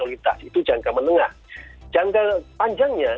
kualitas itu jangka menengah jangka panjangnya